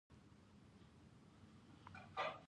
که هغه زما له قومه وي.